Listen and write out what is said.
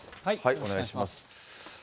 お願いします。